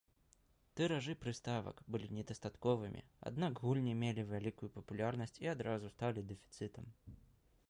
Тыражы прыставак былі недастатковымі, аднак гульні мелі вялікую папулярнасць і адразу сталі дэфіцытам.